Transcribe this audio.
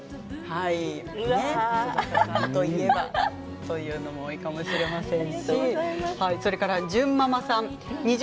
松坂さんといえばというのも多いかもしれません。。